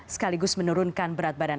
sekaligus menurunkan berat badan